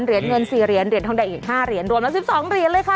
เหรียญเงินสี่เหรียญเหรียญทองใดอีกห้าเหรียญรวมแล้วสิบสองเหรียญเลยค่ะ